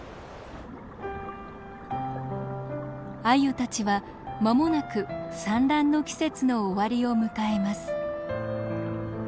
アユたちは間もなく産卵の季節の終わりを迎えます。